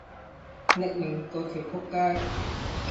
匿名嗰條僕街